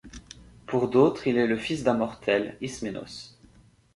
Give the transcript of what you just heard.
Pour d'autres, il est le fils d'un mortel, Isménos.